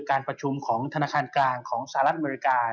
การประชุมของธนาคารกลางของสหรัฐอเมริกา